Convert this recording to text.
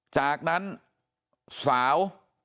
จากนั้นสาว